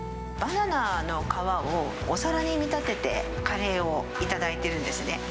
バナナの皮をお皿に見立てて、カレーを頂いているんですね。